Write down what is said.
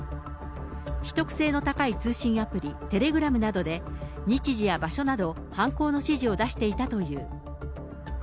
秘匿性の高い通信アプリ、テレグラムなどで、日時や場所など、犯行の指示を出していたという。